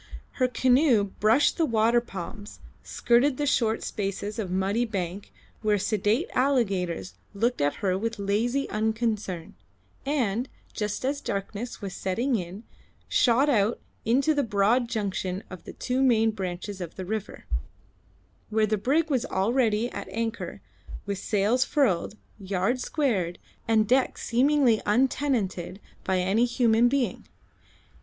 Her canoe brushed the water palms, skirted the short spaces of muddy bank where sedate alligators looked at her with lazy unconcern, and, just as darkness was setting in, shot out into the broad junction of the two main branches of the river, where the brig was already at anchor with sails furled, yards squared, and decks seemingly untenanted by any human being.